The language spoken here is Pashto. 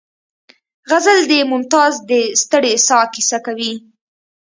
غزل د ممتاز د ستړې ساه کیسه کوي